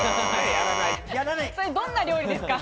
どんな料理ですか？